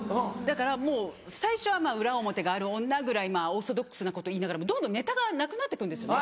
もう最初は「裏表がある女」ぐらいオーソドックスなこと言いながらもどんどんネタがなくなって行くんですよね。